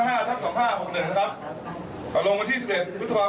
การลงมาที่สิบเอ็ดภูมิสมาคม